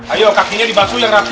ayo kakinya dibatu yang rapi yang rata